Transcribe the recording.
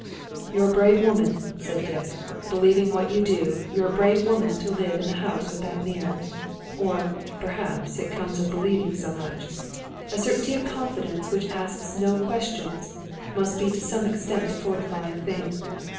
"You're a brave woman," said Dick. "Believing what you do, you're a brave woman to live in the house with that mirror. Or, perhaps, it comes of believing so much. A certainty of confidence, which asks no questions, must be to some extent a fortifying thing.